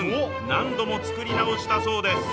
何度も作り直したそうです。